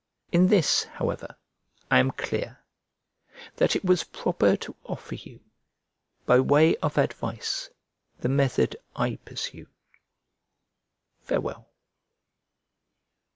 In this, however, I am clear, that it was proper to offer you by way of advice the method I pursued. Farewell.